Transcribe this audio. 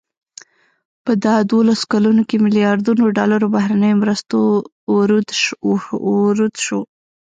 په دا دولسو کلونو کې ملیاردونو ډالرو بهرنیو مرستو ورود شو.